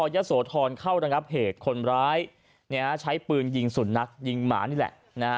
ยะโสธรเข้านะครับเหตุคนร้ายเนี่ยใช้ปืนยิงสุ่นนักยิงหมานี่แหละนะ